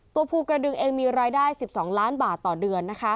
ภูกระดึงเองมีรายได้๑๒ล้านบาทต่อเดือน